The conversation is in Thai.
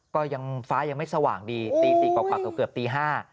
ฟ้ายังไม่สว่างดีตี๔กว่าเกือบตี๕